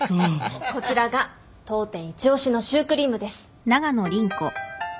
こちらが当店一押しのシュークリームです。